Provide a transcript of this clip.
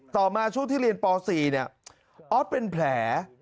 ต่อมาช่วงที่เรียนป๔เนี่ยออสเป็นแผล